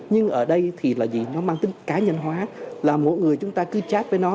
nhưng ở đây thì nó mang tính cá nhân hóa là mỗi người chúng ta cứ chat với nó